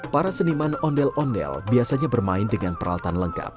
para seniman ondel ondel biasanya bermain dengan peralatan lengkap